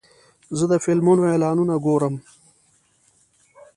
زه د فلمونو اعلانونه ګورم.